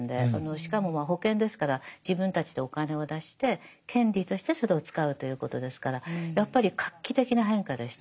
しかもまあ保険ですから自分たちでお金を出して権利としてそれを使うということですからやっぱり画期的な変化でした。